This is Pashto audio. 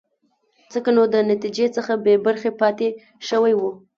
ځکه نو د نتیجې څخه بې خبره پاتې شوی وو.